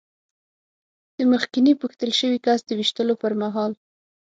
د مخکېني پوښتل شوي کس د وېشتلو پر مهال.